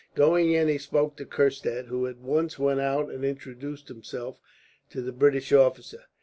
Going in he spoke to Kurstad, who at once went out and introduced himself to the British officer.